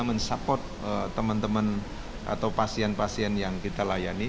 mensupport teman teman atau pasien pasien yang kita layani